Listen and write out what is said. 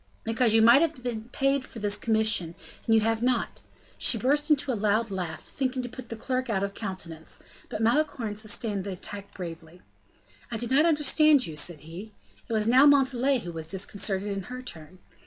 "Because you might have been paid for this commission, and you have not." And she burst into a loud laugh, thinking to put the clerk out of countenance; but Malicorne sustained the attack bravely. "I do not understand you," said he. It was now Montalais who was disconcerted in her turn.